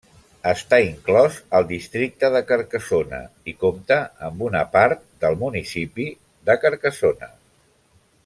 Està inclòs al districte de Carcassona i compta amb una part del municipi de Carcassona.